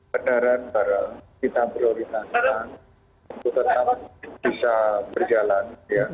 kendaraan barang kita prioritaskan untuk tetap bisa berjalan